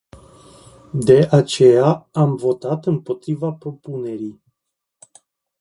De aceea, am votat împotriva propunerii.